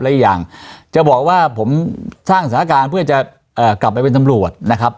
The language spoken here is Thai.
และอีกอย่างจะบอกว่าผมสร้างสถานการณ์เพื่อจะกลับไปเป็นตำรวจนะครับ